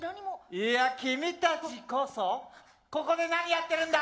いや君たちこそここで何やってるんだ？